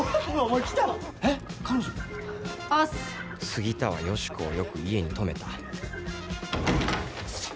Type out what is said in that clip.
杉田はヨシコをよく家に泊めた寒。